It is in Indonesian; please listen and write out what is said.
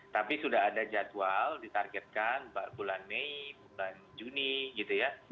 tapi sudah ada jadwal ditargetkan bulan mei bulan juni gitu ya